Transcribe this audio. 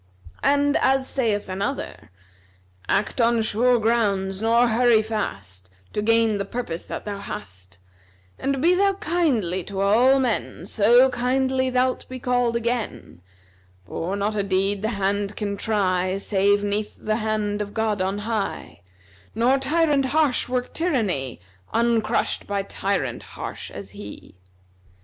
And as saith another,[FN#259] 'Act on sure grounds, nor hurry fast, To gain the purpose that thou hast And be thou kindly to all men So kindly thou'lt be called again; For not a deed the hand can try, Save 'neath the hand of God on high, Nor tyrant harsh work tyranny, Uncrushed by tyrant harsh as he.'